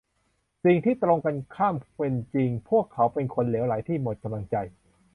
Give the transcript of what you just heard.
สิ่งที่ตรงกันข้ามเป็นจริง พวกเขาเป็นคนเหลวไหลที่หมดกำลังใจ